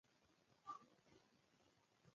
کرار يې په کور کښې اړولي وو.